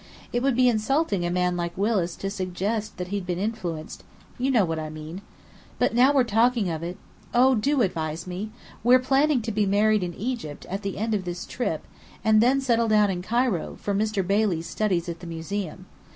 "It would be insulting a man like Willis to suggest that he'd been influenced you know what I mean. But now we're talking of it oh, do advise me! We're planning to be married in Egypt, at the end of this trip, and then settle down in Cairo, for Mr. Bailey's studies at the museum.